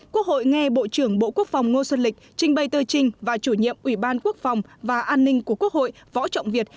quốc hội nghe bộ trưởng bộ quốc phòng ngô xuân lịch trình bày tờ trình và chủ nhiệm ủy ban quốc phòng và an ninh của quốc hội võ trọng việt